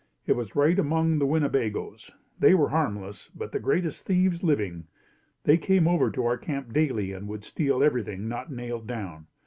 It was right among the Winnebagoes. They were harmless, but the greatest thieves living. They came over to our camp daily and would steal everything not nailed down.